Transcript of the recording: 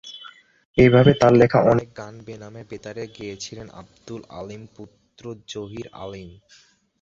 এভাবে তার লেখা অনেক গান বেনামে বেতারে গেয়েছিলেন আবদুল আলীম পুত্র জহির আলীম।